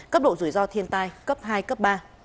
cấp độ rủi ro thiên tai cấp hai cấp ba